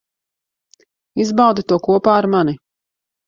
Izbaudi to kopā ar mani.